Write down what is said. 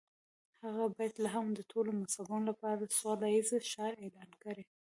هغه بیت لحم د ټولو مذهبونو لپاره سوله ییز ښار اعلان کړ.